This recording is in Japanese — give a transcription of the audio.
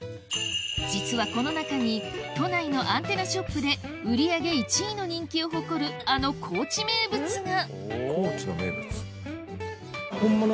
実はこの中に都内のアンテナショップで売上１位の人気を誇るあの高知名物が高知の名物。